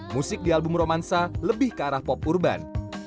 musik di album romansa lebih ke arah pop urban